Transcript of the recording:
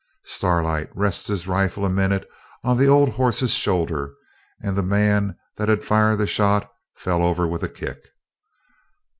Starlight rests his rifle a minute on the old horse's shoulder, and the man that had fired the shot fell over with a kick.